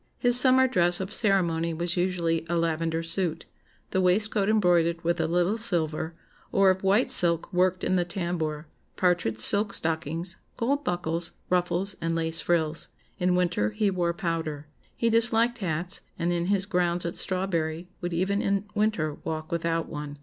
His summer dress of ceremony was usually a lavender suit, the waistcoat embroidered with a little silver, or of white silk worked in the tambour, partridge silk stockings, gold buckles, ruffles, and lace frills. In winter he wore powder. He disliked hats, and in his grounds at Strawberry would even in winter walk without one.